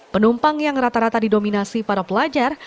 penumpang yang rata rata didominasi para pelajar